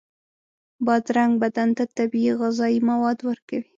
بادرنګ بدن ته طبیعي غذایي مواد ورکوي.